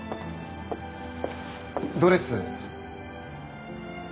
ドレス。